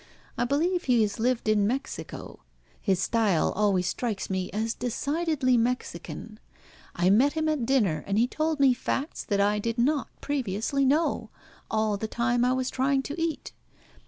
I believe he has lived in Mexico. His style always strikes me as decidedly Mexican. I met him at dinner, and he told me facts that I did not previously know, all the time I was trying to eat.